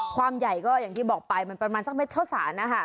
ความใหญ่ก็อย่างที่บอกไปมันประมาณสักเม็ดข้าวสารนะคะ